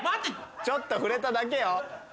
ちょっと触れただけよ。